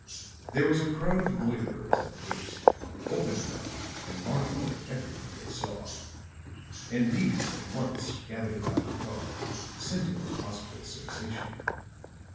There was a crowd of loiterers at the gate, open mouthed and marveling at everything they saw; and these at once gathered about the car, scenting a possible sensation.